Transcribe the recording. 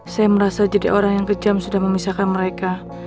saya merasa jadi orang yang kejam sudah memisahkan mereka